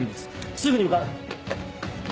すぐに向かう！